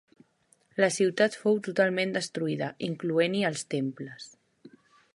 La ciutat fou totalment destruïda, incloent-hi els temples.